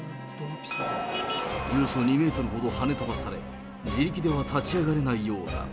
およそ２メートルほどはね飛ばされ、自力では立ち上がれないようだ。